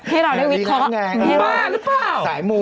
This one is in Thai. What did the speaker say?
ให้เราได้วิเคราะห์